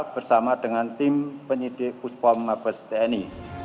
bersama dengan tim penyidik puspom mabes tni